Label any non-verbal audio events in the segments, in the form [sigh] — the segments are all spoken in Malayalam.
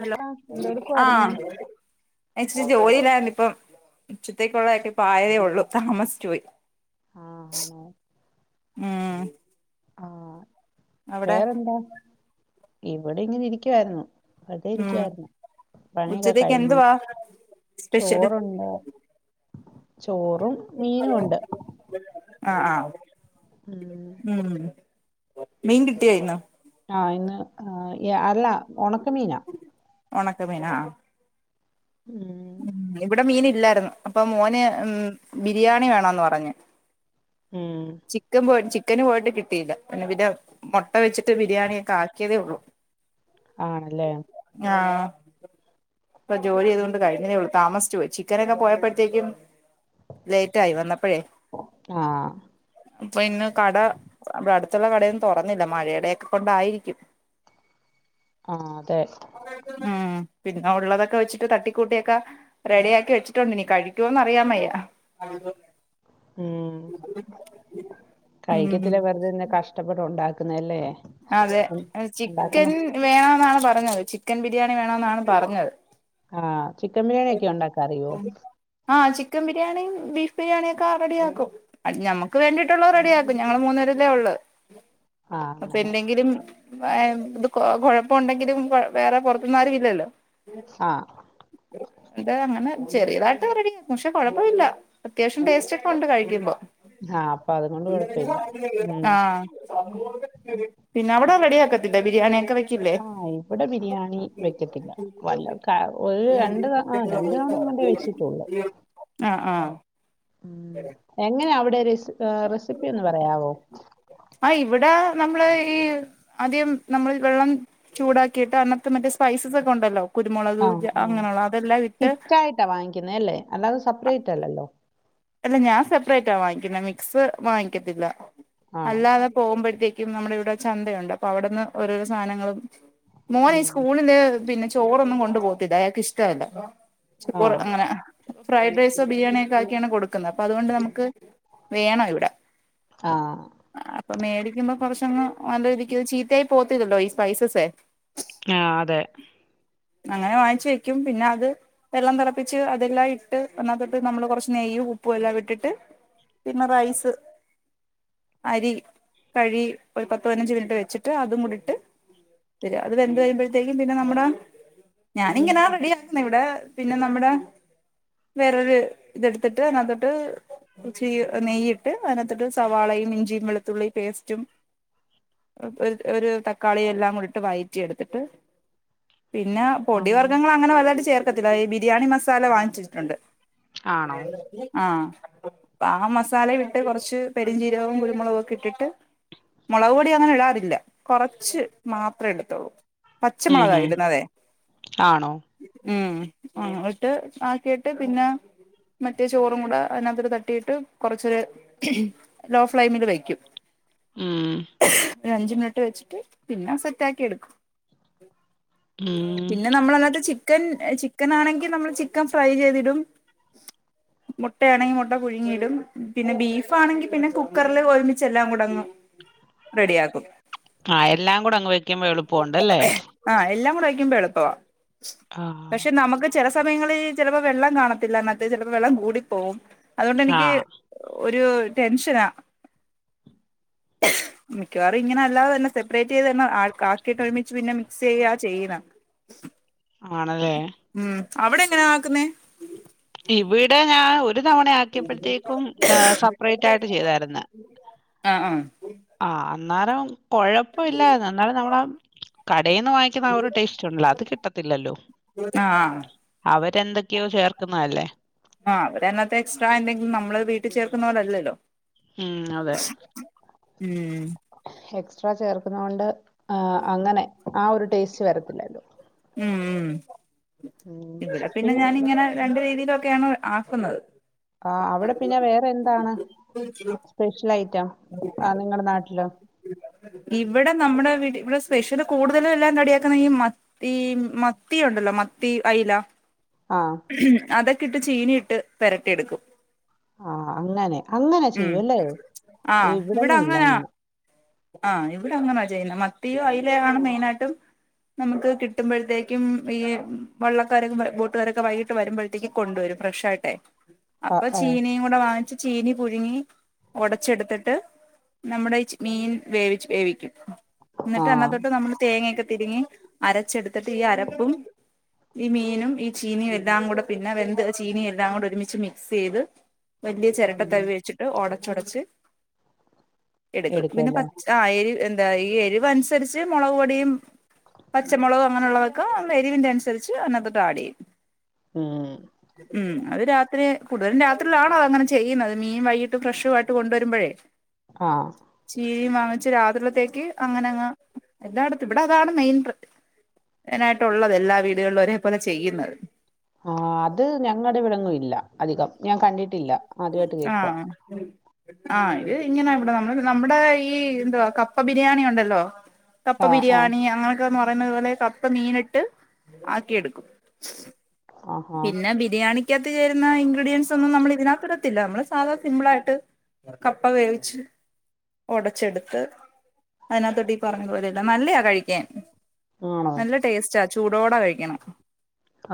ഹലോ ആഹ് എന്തെടുക്കുവായിരുന്നു ആഹ് ഞാൻ ഇച്ചിരി ജോലിയിലായിരുന്നു ഇപ്പം ഉച്ചത്തേക്കുള്ളതൊക്കെ ഇപ്പ ആയതേ ഒള്ളു. താമസിച്ചു പോയി ആഹ് ആണോ ഉം ആഹ് അവിടെ വേറെന്താ? ഇവടെ ഇങ്ങനെ ഇരിക്കുവായിരുന്നു. വെറുതെ ഉം ഇരിക്കുവായിരുന്നു പണിയൊക്കെ ഉച്ചത്തേക്ക് കഴിഞ്ഞു എന്തുവാ സ്പെഷ്യല് ചോറുണ്ട് ചോറും മീനുംണ്ട് ആഹ് ആഹ് ഉം ഉം മീൻ കിട്ടിയോ ഇന്ന് ആഹ് ഇന്ന് അല്ല ഉണക്ക മീനാ ഉണക്കമീൻ ആഹ് ഉം ഉം ഇവിടെ മീൻല്ലായിരുന്നു അപ്പൊ മോന് ഉം ബിരിയാണി വേണന്ന് പറഞ്ഞ് ഉം ചിക്കൻ പോയി ചിക്കന് പോയിട്ട് കിട്ടിയില്ല പിന്നെ പിന്നെ മുട്ട വെച്ചിട്ട് ബിരിയാണി ഒക്കെ ആക്കിയതേള്ളൂ ആണല്ലേ ആഹ് ഇപ്പ ജോലി ചെയ്ത കൊണ്ട് കഴിഞ്ഞതേള്ളൂ താമസി ച്ച് പോയി ചിക്കനൊക്കെ പോയപ്പോഴത്തേക്കും ലേറ്റ് ആയി വന്നപ്പഴേ ആഹ് ഇപ്പൊ ഇന്ന് കട അവിടെ അടുത്തുള്ള കടയൊന്നും തുറന്നില്ല മഴയുടെയൊക്കെ കൊണ്ടായിരിക്കും [inaudible] ആഹ് അതെ ഉം പിന്നെ ഉള്ളതൊക്കെ വച്ച് തട്ടിക്കൂട്ടിയൊക്കെ റെഡിയാക്കി വെച്ചിട്ടുണ്ട് ഇനി കഴിക്കോന്ന് അറിയാൻ വയ്യ ഉം ഉം കഴിക്കത്തില്ലേ വെറുതെ എന്തിനാ കഷ്ടപ്പെട്ട് ഉണ്ടാക്കുന്നല്ലേ അതെ ഉം, ഉണ്ടാക്കുന്ന ചിക്കൻ വേണ എന്നാണ് പറഞ്ഞത് ചിക്കൻ ബിരിയാണി വേണ എന്നാണ് പറഞ്ഞത് ആഹ് ചിക്കൻ ബിരിയാണിയ ഒക്കെ ഉണ്ടാ ആഹ് ചിക്കൻ ബിരിയാണിയും ബീഫ് ബിരിയാണിക്കെ ആഹ് റെഡി ആക്കും ഞമ്മക്ക് വേണ്ടിട്ടുള്ളത് റെഡി ആക്കും ഞങ്ങള്ൾ മൂന്ന്‌ പേരല്ലേ ഉള്ളു ആഹ് അപ്പൊ അങ്ങനെ എന്തെങ്കിലും ഇത് കുഴപ്പം ഉണ്ടെങ്കിലും വേറെ പുറത്തന്നും ആരും ഇല്ലല്ലോ ആഹ് ഇതാ അങ്ങനെ ചെറിയതായിട്ട് റെഡി പക്ഷെ കുഴപ്പമില്ല അത്യാവശ്യം ടേസ്റ്റ്ക്കെണ്ട് കഴിക്കുമ്പോ ആഹ് അപ്പൊ അതുകൊണ്ട് കൊഴപ്പ ഇല്ല ഉം ആഹ് പിന്നെ അവിടെ റെഡിയക്കത്തില്ലേ ബിരിയാണിയൊക്കെ വെ ആഹ് ഇവിടെ ബിരിയാണി വെക്കത്തില്ല വല്ല രണ്ട് ത ആഹ് രണ്ട് തവണഎങ്ങാണ്ട് [unintelligible] വെച്ചിട്ടൊള്ള്. ആഹ് ആഹ് ഉം എങ്ങനവിടെ രെസ് ആഹ് റെസിപ്പീന്ന് പറയാവോ. ആ ഇവട നമ്മള് ഈ ആദ്യം നമ്മൾ വെള്ളം ചൂടാക്കിയിട്ടന്നത്തെ മറ്റേ സ്പൈസാസക്കൊണ്ടല്ലോ കുരുമുളക് ജ അങ്ങനൊള്ള അതെല്ലാട്ട് ഇട്ടാ വാങ്ങിക്കുന്നേല്ലേ അല്ലാതേ സപ്രേറ്റല്ലല്ലോ. അല്ല, ഞാൻ സപ്രേറ്റാ വാങ്ങിക്കുന്നേ മിക്സ് വാങ്ങിക്കത്തില്ല ആണോ അല്ലാതെ പോകുമ്പോഴത്തേക്കും നമ്മുടിവിടെ ചന്തയുണ്ട്, അപ്പവിടുന്ന് ഓരോരോ സാധനങ്ങളും ഉം മോനീസ്കൂളില് പിന്നെ ചോറൊന്നും കൊണ്ടു പോവത്തില്ല അയാൾക്ക് ഇഷ്ടല്ല. ച് ബോറ് ആഹ് അങ്ങന ഫ്രൈഡ് റൈസ് ബിരിയാണിയക്കാക്കിയാണ് കൊടുക്ക് ക്ക് ന്ന് അപ്പ അതുകൊണ്ട് നമുക്ക് വേണ വിട ആഹ് അപ്പൊ മേടിക്കുമ്പോ കൊറച്ചങ്ങ് നല്ല രീതിക്ക് ചീത്തയായി പോവത്തില്ലല്ലോ ഈ സ്പൈസസേ. ആ അതെ അങ്ങനവാങ്ങിച്ച് വയ്ക്കും പിന്ന അത് വെള്ളം തെളപ്പിച്ച് അതെല്ലാം ഇട്ട് അതിനാതോട്ട് നമ്മള് കൊറച്ച് നെയ്യും ഉപ്പും എല്ലാവിട്ടിട്ട് പിന്ന റൈസ് അരി കഴികി ഒരു പത്ത് പതിനഞ്ച് മിനിറ്റ് വെച്ചിട്ട് അതുക്കൂടിട്ട് ശരി അത് വെന്ത് കഴിയുമ്പഴത്തേക്കും പിന്ന നമ്മട ഞാനിങ്ങനാ റെഡി ആക്കുന്നിവടെ പിന്നെ നമ്മുട വേറൊരു ഇതെടുത്തിട്ട് അതിനാത്തോട്ട് ച്ചി നെയ്യിട്ട് അതിനാത്തോട്ട് സവാളയും ഇഞ്ചിയും വെളുത്തുള്ളിപേസ്റ്റും ഒർ ഒരു തക്കാളിയെല്ലാം കൂടിട്ട് വയറ്റി എടുത്തിട്ട് പിന്ന ഉം പൊടിവർഗങ്ങളങ്ങന വലുതായിട്ട് ചേർക്കത്തില്ല, ഈ ബിരിയാണി മസാല വാങ്ങിച്ചിട്ടിടും. കണ്ട് ആണോ ആഹ് ആ മസാലേമിട്ട് കൊറച്ച് പെരിഞ്ചീരകവും കുരു മൊളകോക്കിട്ടിട്ട് മൊളക് പൊടി അങ്ങനിടാറില്ല കൊറച്ച് മാത്രേ ഇടത്തൊള്ളൂ. ഉം പച്ചമൊളകാ ഉം ഇടുന്നതെ ആണോ ഉം ആ ഇട്ട് ആക്കിയിട്ട് പിന്ന മറ്റേ ചോറും കൂട അതിനകത്തേക്ക് തട്ടിയിട്ട് കൊറച്ച് ലോഫ് ഫ്ലെയിമില് വയ്ക്കും. ഉം ഒരഞ്ചുമിനിറ്റ് വെച്ചിട്ട് പിന്ന സെറ്റാക്കിയെടുക്കും. ഉം പിന്ന നമ്മള് അതിനക'ത്ത് ' ചിക്കൻ ചിക്കനാണെങ്കിൽ നമ്മള് ചിക്കൻ ഫ്രൈ ചെയ്തിടും മുട്ടയാണെങ്കി മുട്ട പുഴുങ്ങിയിടും പിന്ന ബീഫാണെങ്കി പിന്ന കു കുക്കറില് ഒരുമിച്ചെല്ലാം കൂടങ്ങ് റെഡിയാക്കും. ആഹ് എല്ലാം കൂടങ്ങ് വെയ്ക്കുമ്പ എളുപ്പൊണ്ടല്ലേ. ആഹ് എല്ലാകൂടെവയ്ക്കുമ്പ എളുപ്പവാ ആഹ് പക്ഷെ നമുക്ക് ചെല സമയങ്ങളിൽ ചെലപ്പോ വെള്ളം കാണത്തില്ല മറ്റേത് ചെലപ്പോ വെള്ളം കൂടി പോകും അതുകൊണ്ടെനിക്ക് ആഹ് ഒരൂ ടെൻഷനാ മിക്കവാറും ഇങ്ങനല്ലാതെതന്നെ സെപ്പറേറ്റ് ചെയ്ത് തന്നെ ആക്ക് ആക്കിയിട്ട് ഒരുമിച്ച് പിന്നെ മിക്സ് ചെയ്യുകയാ ചെയ്യണ ആണല്ലെ ഉം അവിടെ എങ്ങനെയാക്കുന്നെ ഇവിടെ ഞാൻ ഒരു തവണ ആക്കിയപ്പഴത്തേക്കും ആ സെപ്രേറ്റായിട്ട് ചെയ്തായിരുന്ന്. ആഹ് ആഹ് ആഹ് അന്നാരം കൊഴപ്പില്ലായിരുന്നു എന്നാലും നമ്മളാ കടേന്ന് വാങ്ങിക്കുന്ന ആ ഒരു ടേസ്റ്റുണ്ടല്ലോ അത് കിട്ടത്തില്ലല്ലോ. ആഹ് അവരെന്തെക്കെയോ ചേർക്കുന്നതല്ലേ. ആ അവരയിനാത്ത് എക്സ്ട്രാ എന്തെങ്കിലും നമ്മള് വീട്ടിൽ ചേർക്കുന്ന പോലല്ലല്ലോ. ഉം അതെ ഉം എക്സ്ട്രാ ചേർക്കുന്ന കൊണ്ട് അങ്ങനെ ആ ഒരു ടേസ്റ്റ് വരത്തില്ലല്ലോ ഉം ഉ ഉം ഇവിടെ പിന്നെ ഞാാനിങ്ങനെ രണ്ട രീതിയിലൊക്കെയാണ് ആക്കുന്നത് ആ അവിടെ പിന്നെ വേറെ എന്താണ് സ്പെഷ്യൽ ഐറ്റം ഉ ആ ഞങ്ങളുടെ നാട്ടിലോ ഇവിടെ നമ്മുടെ ഇവിടെ സ്പെഷ്യല് കൂടുതലും എല്ലാം കടിയാക്കുന്ന ഈ മന്ത്തി ഈ മത്തി ഉണ്ടല്ലോ മത്തി അയ്ല ആഹ് അതൊക്കെ ഇട്ട് ചീനിയിട്ട് പെരട്ടിയെടുക്കും. ആഹ് അങ്ങനെ അങ്ങനെ ഉം ചെയ്യും അല്ലേ. ആ അയ്യോ ഇവിട ഇവിടൊന്നും ഇല്ല അങ്ങനാ. അങ്ങനെ. ആഹ് ഇവിട അങ്ങനാ ചെയ്യുന്ന മത്തിയോ അയിലെയോ ആണ് മെയിനായിട്ടും നമുക്ക് കിട്ടുമ്പഴ്ത്തേക്കും ഈ വള്ളക്കാരൊ ബോട്ടുകാരൊക്കെ വൈകിട്ട് വരുമ്പഴ് ത്തേക്ക് കൊണ്ട് വരും ഫ്രഷ് ആയിട്ടെ ആഹ് അപ്പൊ ആഹ് ചീനിയും കുടവാച്ച് ചീനി പുഴുങ്ങി ഒടച്ചെടുത്തിട്ട് നമ്മുടെ മീൻ വേവിച്ച് വേവിക്കും. എന്നിട്ട് അന്നാ ആഹ് തൊട്ട് നമ്മള് തേങ്ങൊക്കെ തിരിങ്ങി അരച്ചെടുത്തിട്ട് ഈ അരപ്പും ഈ മീനും ഈ ചീനിയും എല്ലാംകുട പിന്നെ വെന്ത് ചീനിഎല്ലാം കൂടെ ഒരുമിച്ച് മിക്സ് ചെയ്ത് വല്യ ചെരട്ട ഉം തവി വെച്ചിട്ട് ഒടച്ചൊടച്ച് എടുക്കും. പിന്നെ എടുക്കുവല്ലേ ആഹ് എരിവ് എന്താ ഈ എരിവ്നുസരിച്ച് മുളക് പൊടിയും പച്ചമുളകും അങ്ങനുള്ളതൊക്ക എരിവിന്റെ അനുസരിച്ച് അയിനത്തോട്ട് ആഡ് ചെയ്യും. ഉം ഉം അത് രാത്രി കൂടുതലും രാത്രിയിലാണോ അത അങ്ങനെ ചെയ്യുന്നത് മീൻ വൈകിട്ട് ഫ്രഷുവായിട്ട് കൊണ്ടുവരുമ്പോഴേ. ആഹ് ചീയും വാങ്ങിച്ച് രാത്രിലത്തേക്ക് അങ്ങനങ്ങ് എല്ലാ അടുത്ത് ഇവിടെ അതാണ് മെയിൻ പ്ര നായിട്ടള്ളത് എല്ലാ വീടുകളിലും ഒരേപോലെ ചെയ്യുന്നത്. ആ അത് ഞങ്ങട ഇവിടൊന്നും ഇല്ല. അധികം ഞാൻ കണ്ടിട്ടില്ല. ആദ്യമായിട്ട് കേൾക്കുവാ ആഹ് ആഹ് ഇത് ഇങ്ങനാ ഇവിടെ നമ്മ നമ്മുടെ ഈ എന്തോ കപ്പ ബിരിയാണി ഒണ്ടല്ലോ കപ്പ ആഹ് ആഹ് ബിരിയാണി അങ്ങനെയൊക്കെന്ന് പറയുന്നത് പോലെ കപ്പ മീനീട്ട് ആക്കി എടുക്കും. ആഹാ പിന്ന ബിരിയാണിക്കത്ത് ചേരുന്ന ഇൻഗ്രീഡിയൻസ് ഒന്നും നമ്മൾ ഇതിനാത്തിട പത്തില്ല നമ്മള് സാധ സിമ്പിളായിട്ട് കപ്പ വേവിച്ച് ഒടച്ചെടുത്ത് അതിനത്തൊട്ട് ഈ പറഞ്ഞ പോലെല്ല നല്ലെയാ കഴിക്കാൻ. ആണോ നല്ല ടേസ്റ്റാ ചൂടോട കഴിക്കണം.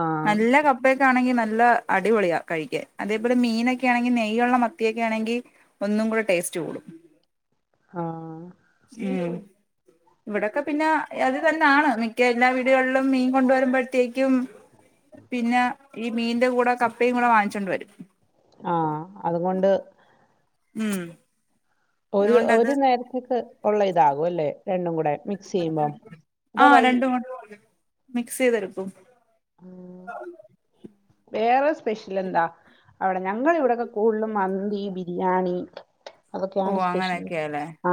ആഹ് നല്ല കപ്പ പ്പേക്ക ആണെങ്കി നല്ല അടിപൊളിയാ കഴിക്ക അതേപോലെ മീനൊക്കെ ആണെങ്കി നെയ്യോള്ള മത്തിയൊക്കെ ആണെങ്കി ഒന്നുംകുട ടേസ്റ്റ് കൂടും. ആ ഉം ഇവിടൊക്കെ പിന്ന അത് തന്നാണ് മിക്ക എല്ലാ വീടുകളിലും മീൻ കൊണ്ട വരുമ്പോഴ്ത്തേക്കും [unintelligible] പിന്ന ഈ മീന്റ കൂടെ കപ്പേം കൂടെ വാങ്ങിച്ചോണ്ട് വരും. ആഹ് അതുകൊണ്ട് ഉം ഒരു അതുകൊണ്ടത് ഒരു നേരത്തേക്ക് ഒള്ള ഇതാകും അല്ലേ രണ്ടും കൂടെ. മിക്സ് ചെയ്യുമ്പം ആ അതോ വൈ രണ്ട് മണ മിക്സ് ചെയ്തെടുക്കും. ഉ വേറെ സ്പെഷ്യൽ എന്താ? അവിടെ ഞങ്ങള ഇവിടെയൊക്കെ കൂടുതലും മന്തി, ബിരിയാണി. ഓ അതൊക്കെയാണ് സ്പെഷ്യൽ. അങ്ങനെയൊക്കെയാല്ലേ ആ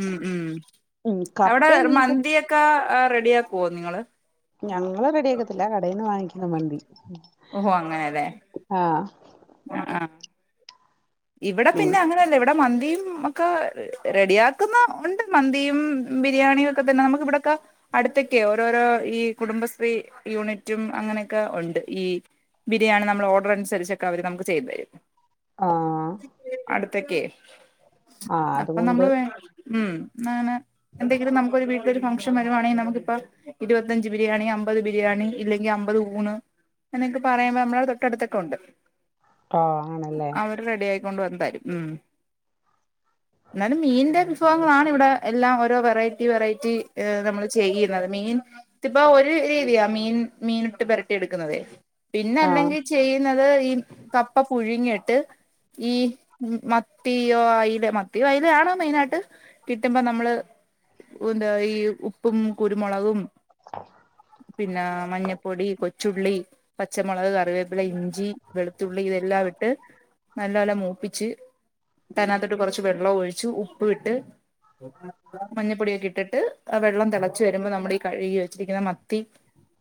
ഉം, ഉം അവിട മീൻകറി മന്തിയക്ക റെഡി ആക്കുവോ നിങ്ങള്? ഞങ്ങള് റെഡിയാക്കത്തില്ല കടെന്ന് വാങ്ങിക്കുന്ന മന്തി. ആഹ് ആഹ് ആഹ് ഇവിടെ പിന്ന ബീഫ് അങ്ങനല്ല ഇവിടെ മന്തിയും ഒ ക്കെ റെഡിയാക്കുന്ന ണ്ട് മന്തിയും ബിരിയാണിയും ക്കെ തന്നെ നമുക്ക് ഇവിടക്ക അടുത്തൊക്കെ ഓരോരോ ഈ കുടുംബശ്രീ യൂണിറ്റും അങ്ങനെക്കെ ഉണ്ട് ഈ ബിരിയാണി നമ്മൾ ഓർഡർ അനുസരിച്ചൊക്കെ അവര് നമുക്ക് ചെയ്തരും ആഹ് അടുത്തോക്കെ ആഹ് അപ്പൊ നമ്മള് അതുകൊണ്ട് വേ ഉംമം ആനെ എന്തങ്കിലും നമുക്കോരു വീ ഇ ഒരു ഫംഗ്ഷൻ വരുവാണെൽ നമുക്കിപ്പൊ ഇരുവത്തഞ്ച് ബിരിയാണി അമ്പത് ബിരിയാണി ഇല്ലെങ്കിൽ അമ്പത് ഊണ് എന്നൊക്കെ പറയുമ്പോൾ നമ്മളെ തൊട്ടടുത്തൊക്കെ ഉണ്ട് ആഹ് ആണല്ലേ റെഡിയായി കൊണ്ട് വന്നതായിരിക്കും ഉമം ന്നാലും മീൻ ന്റെ വാണ് ഇവിടെ എല്ലാം ഓരോ വെറൈറ്റി വെറൈറ്റി ഏഹ് നമ്മൾ ചെയ്യുന്നത് മീൻ ത്തിപ്പ ഒരു രീതിയാ മീൻ മീൻ ഇട്ട് പരട്ടി എടുക്കുന്നത് പിന്നെ ആഹ് അല്ലെങ്കിൽ ചെയ്യുന്നത് ഈ കപ്പ പുഴുങ്ങിട്ട് ഈ മത്തിയോ അയ്ല മത്തിയോ അയ്ലയോ ആണ് മെയിനായിട്ട് കിട്ടുമ്പോ നമ്മള് എന്താ ഈ ഉപ്പും കുരുമുളകും പിന്നെ മഞ്ഞപ്പൊടി കൊച്ചുള്ളി പച്ചമൊളക് കറിവേ ല്ല ഇഞ്ചി വെളുത്തുള്ളി ഇതെല്ലാം ഇട്ട് നല്ലപോലെ മൂപ്പിച്ച് അതിനകത്തട്ട് കൊറച്ച് വെള്ളം ഒഴിച്ച് ഉപ്പ് ഇട്ട് മഞ്ഞപ്പൊടിയൊക്കെട്ടിട്ട് വെള്ളം തിളച്ചു വരുമ്പോ നമ്മൾ ഈ കഴുകി വെച്ചിരിക്കുന്ന മത്തി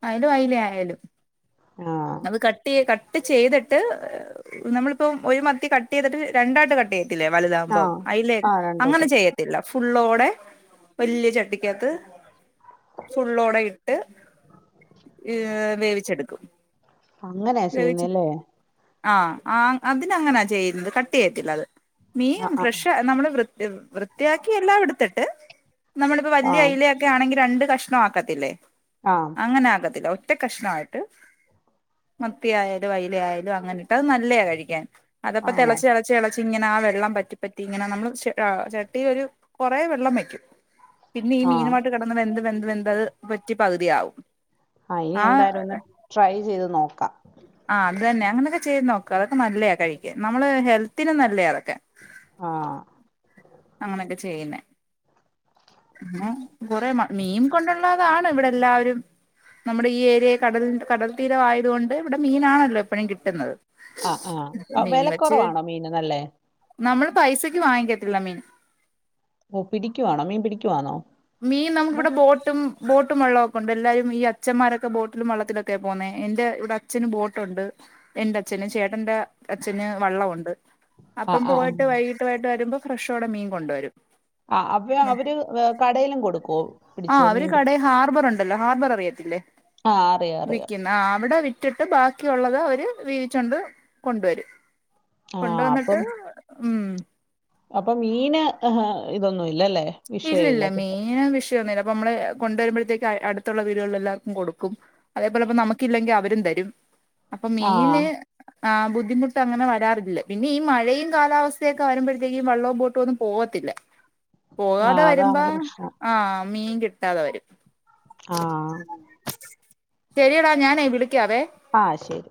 അയ്ല അയ്ല ആയാലും ആഹ് അത് കട്ട് കട്ട് ചെയ്തിട്ട് നമ്മളിപ്പോം ഒരു മത്തി കട്ട് ചെയ്തിട്ട് രണ്ടായിട്ട് കട്ട് ചെയ്യത്തില്ലേ വലുതാവുമ്പോം ആഹ് അയ്ലെ ആഹ് അങ്ങനെ രണ്ടട്ട് ചെയ്യ ത്തില്ല ഫുുള്ളോടെ വെല്ല്യ ചട്ടിക്കകത്ത് ഫുള്ളോടെ ഇട്ട് ഏഹ് വേവിച്ചെടുക്കും അങ്ങനെയ വേവിച്ച് ചെയ്യുന്നല്ലേ ആഹ് ആഹ് അതിനങ്ങനാ ചെയ്യുന്നത് കട്ട് യ്യത്തില്ല അത് മീൻ ആഹ് ആഹ് ഫ്രഷ് നമ്മള് വൃ വൃത്തിയാക്കി എല്ലാം ടുത്തിട്ട് നമ്മളിപ്പോ വലിയ ആഹ് അയില ക്കെ ആണെങ്കി രണ്ട് കഷ്ണം ആക്കത്തില്ലേ ആഹ് അങ്ങനെ ആക്കത്തില്ല ഒറ്റ കഷ്ണായിട്ട് മത്തി ആയാലും അയ്ല ആയാലും അങ്ങനെട്ട് അത് നല്ലെ കഴിക്കാൻ അതപ്പ ആണോ തിളച്ചള ചെളച്ച് ങ്ങനെ ആ വെള്ളം വറ്റിപ്പറ്റി ങ്ങനെ നമ്മള് ച ആ ചട്ടി ഒരു കുറെ വെള്ളം വയ്ക്കും പിന്നെ ഈ ആഹ് മീനമായിട്ട് കെടന്ന് വെന്ത് വെന്ത് വെന്ത് അത് പറ്റി പകുതിയാവും ഹാ ഇനി ആ എന്തായാലും ഒന്ന് ട്രൈ ചെയ്ത് നോക്കാം ആഹ് അതന്നെ അങ്ങനൊക്കെ ചെയ്ത് നോക്ക അതൊക്കെ നല്ലയാ കഴിക്ക നമ്മള് ഹെൽത്തിനും നല്ലയാ അതൊക്കെ ആഹ് അങ്ങനെയൊക്കെ ചെയ്യുന്നേ ഉമം കൊറെ മീൻ കൊണ്ടുള്ളതാണ് ഇവിടെ എല്ലാവരും നമ്മുടെ ഈ ഏരിയെ കടലി കടൽ തീര ആയതുകൊണ്ട് വിടെ മീനാണല്ലോ എപ്പോഴും കിട്ടുന്നത് ആഹ് ആഹ് വെലക്കുറവാണോ മീൻ നല്ലേ നമ്മള് പൈസക്ക് വാങ്ങത്തില്ല മീൻ ഓ പിടിക്കുവാണോ മീൻ പിടിക്കുവാണോ മീൻ നമ്മുടെ ബോട്ടും ബോട്ടും വെള്ളമൊക്കെണ്ട്ല്ലാരും ഈ അച്ന്മാരൊക്കെ ബോട്ടിലും വെള്ളത്തിലൊക്കെ പൊവ്ന്നേ എന്റെ ഇവിടെ അച്ഛന് ബോട്ടുണ്ട് എന്റെ അച്ഛന് ചേട്ടന്റെ അച്ഛന് വള്ളണ്ട് ആഹ് അപ്പം ആഹ് പോയിട്ട് വൈകിട്ട് പോയിട്ട് വരുമ്പോ ഫ്രഷോടെ മീൻ കൊണ്ടോരും ആഹ് അപ്പൊ അവര് കടയിലും കൊടുക്കോ ആ പിടിച്ച് അവര് മീൻ പിടി കടയിൽ ഹാർബർ ണ്ട് അല്ല ഹാർബർ അറിയത്തില്ലേ ആഹ് അറിയാ അറിയ ആഹ് അവിടെ വിറ്റിട്ട് ബാക്കിയുള്ളത് അവര് വീതിച്ചൊണ്ട് കൊണ്ടുവരും ആഹ് കൊണ്ടോന്നിട്ട് അപ്പം ഉം അപ്പൊ മീന് ഇതൊന്നുല്ലല്ലേ ഇല്ല ഇല്ല മീന് വിഷയംന്നുല്ല അപ്പൊ നമ്മള് കൊണ്ടുവരുമ്പോഴത്തേക്ക് അടുത്തുള്ള വീട്കള്ൽ എല്ലാവർക്കും കൊടുക്കും അതേപോലെപ്പ നമുക്കില്ലെങ്കിൽ അവരും തരും അപ്പൊ ആഹ് മീന് ആ് ബുദ്ധിമുട്ട്ങ്ങെനെ വരാറില്ല പിന്നെ ഈ മഴയും കാലാവസ്ഥയൊക്കെ വരുമ്പഴത്തേക്കും വള്ളവും ബോട്ടോ ഒന്നും പോകത്തില്ല പോവാതെ ആഹ് വരുമ്പോ അതാണ് പ്രശ്നം ആഹ് മീൻ കിട്ടാതെ വരും ആഹ് ശെരിടാ ഞാനേ വിളിക്കാവേ ആഹ് ശെരി